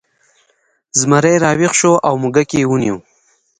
زمری راویښ شو او موږک یې ونیو.